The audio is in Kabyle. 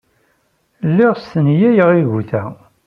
Lliɣ stenyayeɣ iguta.